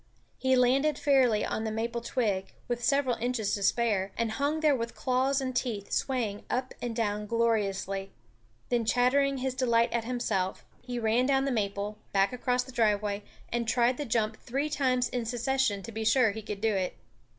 He landed fairly on the maple twig, with several inches to spare, and hung there with claws and teeth, swaying up and down gloriously. Then, chattering his delight at himself, he ran down the maple, back across the driveway, and tried the jump three times in succession to be sure he could do it.